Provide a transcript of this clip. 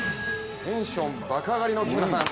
テンション爆上がりの木村さん